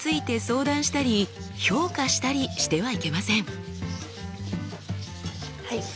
はい。